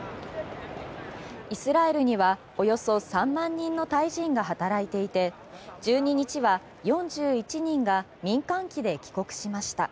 イスラエルにはおよそ３万人のタイ人が働いていて１２日は４１人が民間機で帰国しました。